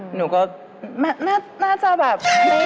หนูก็น่าจะแบบ